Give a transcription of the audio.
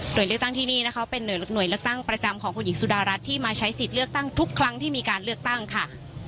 โดยเลือกตั้งที่นี่นะคะเป็นหน่วยเลือกตั้งประจำของคุณหญิงสุดารัฐที่มาใช้สิทธิ์เลือกตั้งทุกครั้งที่มีการเลือกตั้งค่ะ